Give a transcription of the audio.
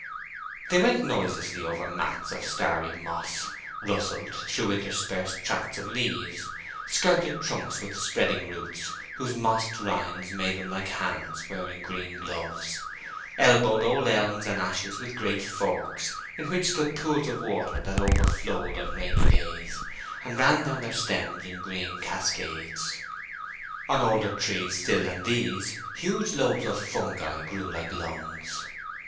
They went noiselessly over mats of starry moss, rustled through interspersed tracts of leaves, skirted trunks with spreading roots, whose mossed rinds made them like hands wearing green gloves; elbowed old elms and ashes with great forks, in which stood pools of water that overflowed on rainy days, and ran down their stems in green cascades. On older trees still than these, huge lobes of fungi grew like lungs.